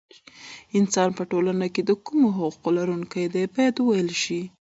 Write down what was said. انسان په ټولنه کې د کومو حقونو لرونکی دی باید وویل شي.